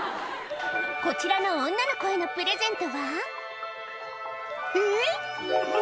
こちらの女の子へのプレゼントはえっ